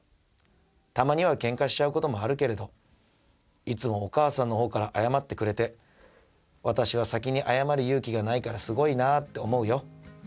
たまにはけんかしちゃうこともあるけれどいつもお母さんのほうから謝ってくれて私は先に謝る勇気がないからすごいなあって思うよ。